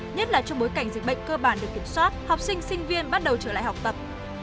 nhất là trong bối cảnh dịch bệnh cơ bản được kiểm soát học sinh sinh viên bắt đầu trở lại học tập